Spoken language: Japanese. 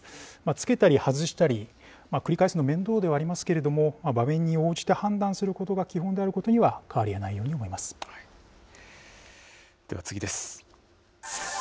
着けたり外したり、繰り返すのは面倒ではありますけれども、場面に応じて判断することが基本であることには変わりがないようでは、次です。